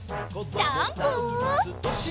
ジャンプ！